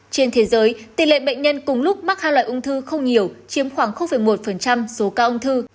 trên thế giới tỷ lệ bệnh nhân cùng lúc mắc hai loại ung thư không nhiều chiếm khoảng một số ca ung thư